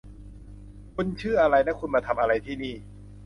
คุณชื่ออะไรและคุณมาทำอะไรที่นี่